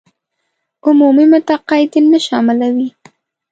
عمومي متقاعدين نه شاملوي.